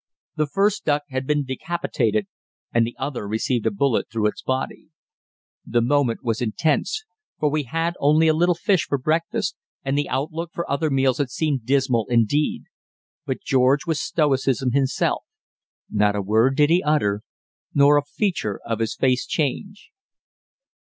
The first duck had been decapitated; the other received a bullet through its body. The moment was intense; for we had only a little fish for breakfast, and the outlook for other meals had seemed dismal indeed; but George was stoicism itself; not a word did he utter, nor did a feature of his face change.